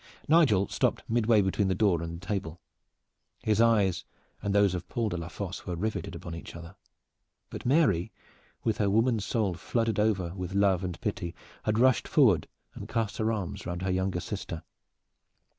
Nigel stopped midway between the door and the table. His eyes and those of Paul de la Fosse were riveted upon each other. But Mary, with her woman's soul flooded over with love and pity, had rushed forward and cast her arms round her younger sister.